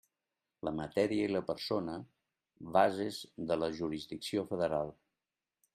La matèria i la persona, bases de la jurisdicció federal.